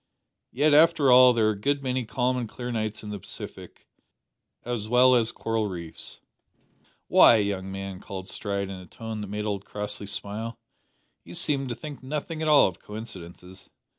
"Yet, after all, there are a good many calm and clear nights in the Pacific, as well as coral reefs." "Why, young man," cried Stride in a tone that made old Crossley smile, "you seem to think nothing at all of coincidences.